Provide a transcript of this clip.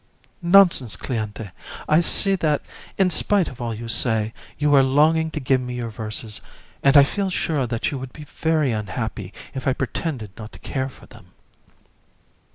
JU. Nonsense, Cléante; I see that, in spite of all you say, you are longing to give me your verses; and I feel sure that you would be very unhappy if I pretended not to care for them.